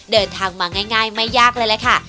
เดินทางมาง่ายไม่ยากเลยแหละค่ะ